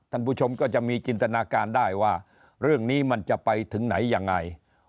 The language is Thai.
ท่านผู้ชมก็จะมีจินตนาการได้ว่าเรื่องนี้มันจะไปถึงไหนยังไง